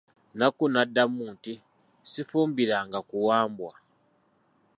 Nakku n'addamu nti, Sifumbiranga ku Wambwa.